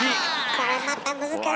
これまた難しそう。